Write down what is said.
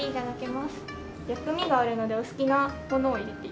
薬味があるのでお好きなものを入れて頂いて。